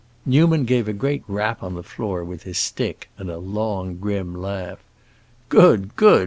Newman gave a great rap on the floor with his stick, and a long, grim laugh. "Good, good!"